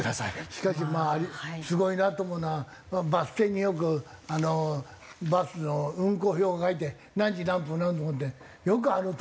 しかしまあすごいなと思うのはバス停によくあのバスの運行表を書いて何時何分ってよくあのとおり動かせるな。